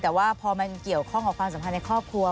แต่ว่าพอมันเกี่ยวข้องกับความสัมพันธ์ในครอบครัว